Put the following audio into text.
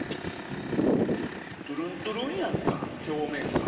トゥルントゥルンやんか、表面が。